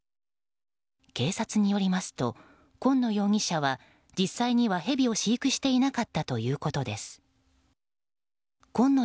警察によりますと、今野容疑者は実際にはヘビを飼育していなかったということです。